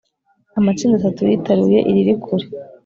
amatsinda atatu yitaruye iriri kure